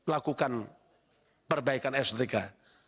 lakukan perbaikan estetika